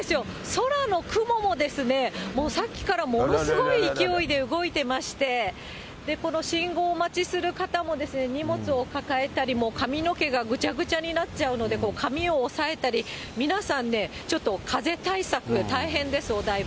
空の雲もですね、もうさっきからものすごい勢いで動いてまして、この信号待ちする方も、荷物を抱えたり、もう髪の毛がぐちゃぐちゃになっちゃうので、髪を押さえたり、皆さんね、ちょっと風対策、大変です、お台場。